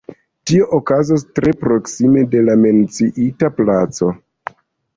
Tio okazis tre proksime de la menciita placo.